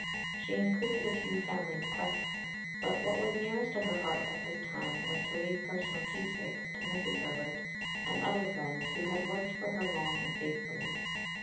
She included a few family bequests; but what was nearest to her heart at this time was to leave personal keepsakes to Mrs. Herbert and other friends who had "worked for her long and faithfully."